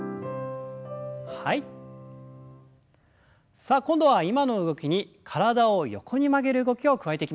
さあ今度は今の動きに体を横に曲げる動きを加えていきましょう。